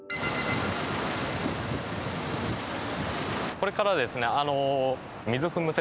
これからですねあの。